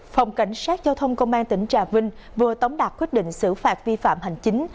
phòng cảnh sát giao thông công an tp hcm vừa tống đạt quyết định xử phạt vi phạm hành chính